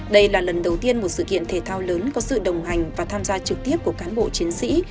đây là lần đầu tiên một sự kiện thể thao lớn có sự đồng hành và tham gia trực tiếp của cán bộ chiến sĩ